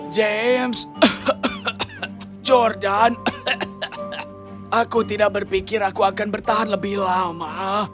james jordan aku tidak berpikir aku akan bertahan lebih lama